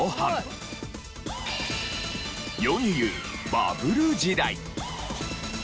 日本中が世に言うバブル時代。